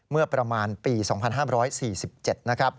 เมื่อประมาณปี๒๕๔๗นะครับ